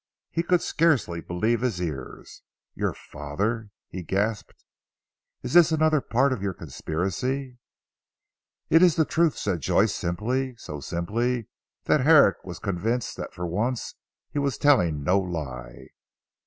He could scarcely believe his ears. "Your father?" he gasped, "is this another part of your conspiracy?" "It is the truth," said Joyce simply, so simply that Herrick was convinced that for once he was telling no lie.